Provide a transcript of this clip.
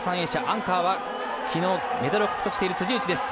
アンカーは昨日メダルを獲得している辻内です。